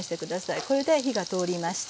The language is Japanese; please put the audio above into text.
これで火が通りました。